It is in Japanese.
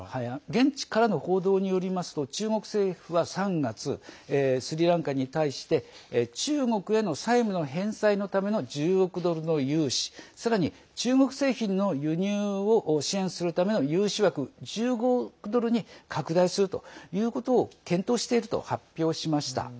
現地からの報道によりますと中国政府は３月スリランカに対して中国への債務の返済のための１０億ドルの融資さらに、中国製品の輸入を支援するための融資枠１５億ドルに拡大するということを検討していると発表しました。